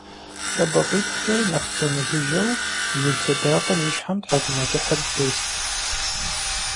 ЛъэбакъуитхукӀэ нэхъ спэмыжыжьэу, жыг лъэдакъэм и щхьэм тхьэкӀумэкӀыхьыр тест.